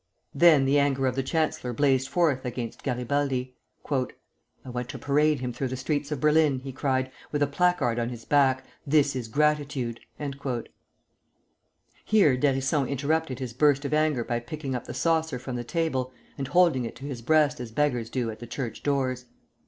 Then the anger of the chancellor blazed forth against Garibaldi. "I want to parade him through the streets of Berlin," he cried, "with a placard on his back: 'This is Gratitude!'" Here d'Hérisson interrupted his burst of anger by picking up the saucer from the table and holding it to his breast as beggars do at the church doors.